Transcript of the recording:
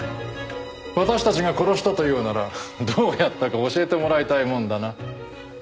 私たちが殺したというならどうやったか教えてもらいたいもんだな。